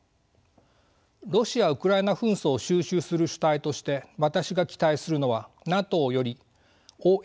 ロシア・ウクライナ紛争を収拾する主体として私が期待するのはＮＡＴＯよりＯＳＣＥ